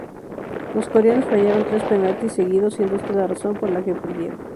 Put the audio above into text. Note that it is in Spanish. Los coreanos fallaron tres penaltis seguidos, siendo esta la razón por la que perdieron.